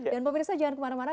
dan pemirsa jangan kemana mana